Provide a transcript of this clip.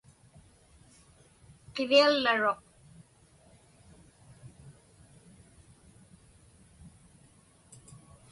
Qiviallaruq.